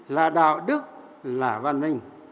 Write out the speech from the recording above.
là đạo đức là văn minh